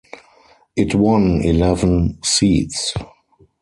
It won eleven seats.